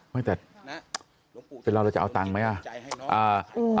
เฮ้ยแต่เป็นเราจะเอาตังค์ไหมอะ